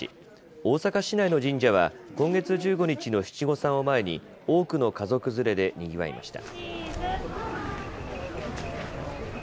大阪市内の神社は今月１５日の七五三を前に多くの家族連れでにぎわいました。